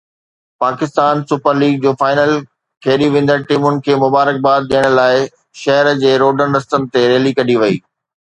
Pakistan super league جو final کيڏي ويندڙ ٽيمن کي مبارڪباد ڏيڻ لاءِ شهر جي روڊن رستن تي ريلي ڪڍي وئي